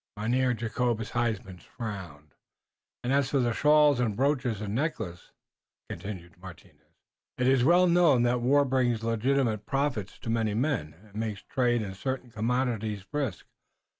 Mynheer Jacobus Huysman frowned. "And as for shawls and brooches and necklaces," continued Martinus, "it is well known that war brings legitimate profits to many men. It makes trade in certain commodities brisk.